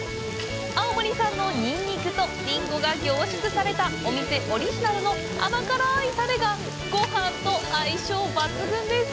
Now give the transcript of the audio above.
青森産のニンニクとリンゴが凝縮されたお店オリジナルの甘辛いタレがごはんと相性抜群です！